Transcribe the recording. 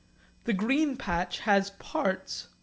The green patch has parts.